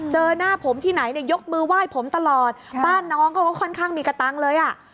เจอหน้าผมที่ไหนเนี่ยยกมือไหว้ผมตลอดบ้านน้องเขาก็ค่อนข้างมีกระตังค์เลยอ่ะ